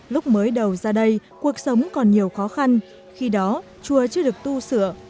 lúc mới đầu ra đây cuộc sống còn nhiều khó khăn khi đó chùa chưa được tu sửa